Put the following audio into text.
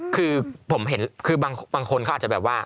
คือผมเห็นคือบางคนเขาอาจจะแบบว่า